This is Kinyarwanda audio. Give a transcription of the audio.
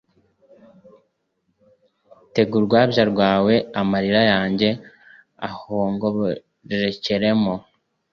tega urwabya rwawe amarira yanjye ahongobokeremo